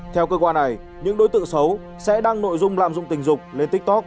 theo cơ quan này những đối tượng xấu sẽ đăng nội dung lạm dụng tình dục lên tiktok